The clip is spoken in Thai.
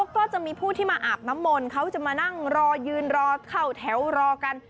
ก็จะมีผู้ที่มาอาบน้ำมนต์เขาจะมานั่งรอยืนรอเข้าแถวรอกัน